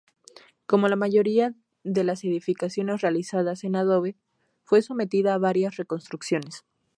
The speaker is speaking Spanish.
Como la mayoría de las edificaciones realizadas en adobe, fue sometida a varias reconstrucciones.